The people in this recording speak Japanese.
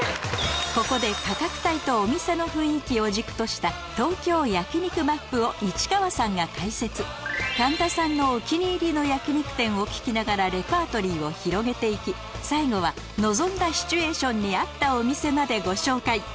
ここで価格帯とお店の雰囲気を軸とした東京焼き肉マップを市川さんが神田さんのお気に入りの焼き肉店を聞きながらレパートリーを広げて行き最後は望んだシチュエーションに合ったお店までご紹介